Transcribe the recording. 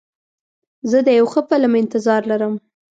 زه د یو ښه فلم انتظار لرم.